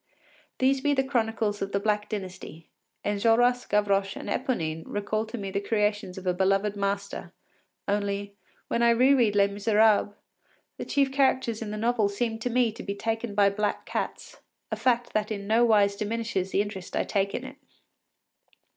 These be the chronicles of the Black Dynasty. Enjolras, Gavroche, and Eponine recall to me the creations of a beloved master; only, when I re read “Les Misérables,” the chief characters in the novel seem to me to be taken by black cats, a fact that in no wise diminishes the interest I take in it.